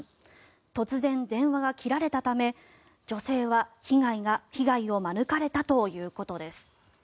突然、電話が切られたため女性は被害を免れたということです。